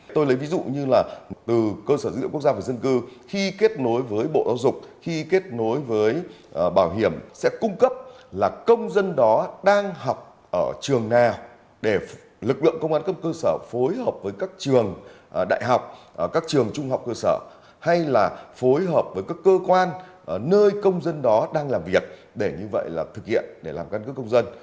tôi lấy ví dụ như là từ cơ sở dữ liệu quốc gia và dân cư khi kết nối với bộ giáo dục khi kết nối với bảo hiểm sẽ cung cấp là công dân đó đang học ở trường nào để lực lượng công an cấp cơ sở phối hợp với các trường đại học các trường trung học cơ sở hay là phối hợp với các cơ quan nơi công dân đó đang làm việc để như vậy là thực hiện để làm căn cước công dân